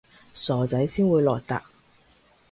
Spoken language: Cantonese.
傻仔先會落疊